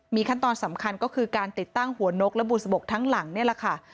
มีขั้นตอนสำคัญก็คือการติดตั้งหัวนกและบุษบกทั้งหลังนี่แหละค่ะ